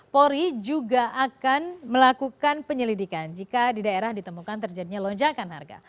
polri juga akan melakukan penyelidikan jika di daerah ditemukan terjadinya lonjakan harga